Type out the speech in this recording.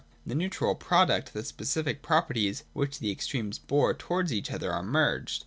— In the neutral product the specific properties, which the ex tremes bore towards each other, are merged.